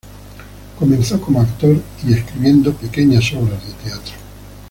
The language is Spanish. Comenzó como actor y escribiendo pequeñas obras de teatro.